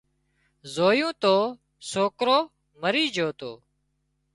زويون تو سوڪرو مرِي جھو تو